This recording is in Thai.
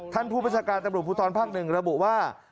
ท่านผู้ประชาการตำรุภูตรภาค๑ระบุว่า